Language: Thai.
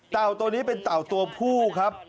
ตัวนี้เป็นเต่าตัวผู้ครับ